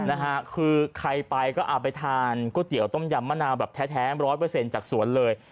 นะฮะคือใครไปก็เอาไปทานก๋วยเตี๋ยวต้มยำมะนาวแบบแท้๑๐๐จากสวนเลย